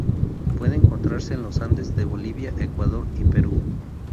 Puede encontrarse en los Andes de Bolivia, Ecuador y Perú.